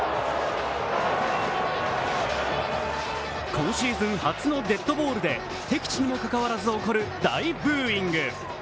今シーズン初のデッドボールで敵地にもかかわらず起こる大ブーイング。